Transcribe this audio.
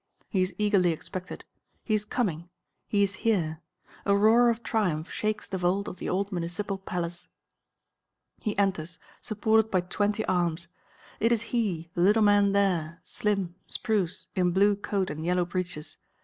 He is eagerly expected; he is coming; he is here; a roar of triumph shakes the vault of the old Municipal Palace. He enters, supported by twenty arms. It is he, the little man there, slim, spruce, in blue coat and yellow breeches.